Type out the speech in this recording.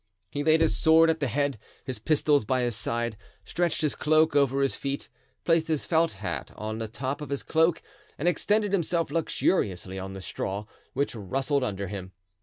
He laid his sword at the head, his pistols by his side, stretched his cloak over his feet, placed his felt hat on the top of his cloak and extended himself luxuriously on the straw, which rustled under him.